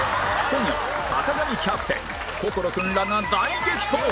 今夜は坂上キャプテン心君らが大激闘